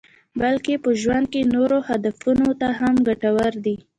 بلکې په ژوند کې نورو هدفونو ته هم ګټور دي.